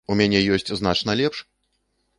У мяне ёсць значна лепш!